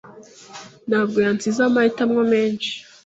ntabwo yansize amahitamo menshi.